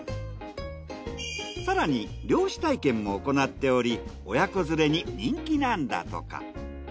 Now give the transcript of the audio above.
更に漁師体験も行っており親子連れに人気なんだとか。